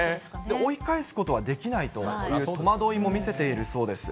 追い返すことはできないと、戸惑いも見せているそうです。